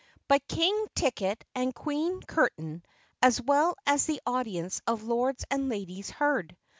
But King Ticket and Queen Curtain, as well as the audience of Lords and Ladies heard.